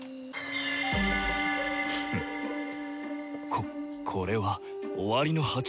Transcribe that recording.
ここれは「終わりの鉢」！